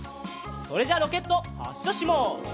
それじゃロケットはっしゃします。